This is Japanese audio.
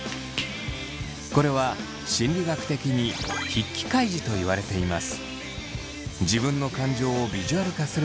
これは心理学的に筆記開示と言われています。